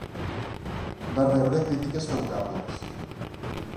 Va rebre crítiques favorables.